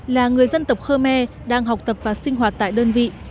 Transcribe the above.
là người dân tộc khmer đang học tập và sinh hoạt tại đơn vị